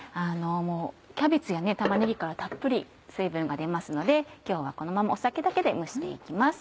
キャベツや玉ねぎからたっぷり水分が出ますので今日はこのまま酒だけで蒸して行きます。